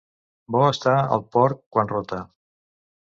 Bo està el porc quan rota.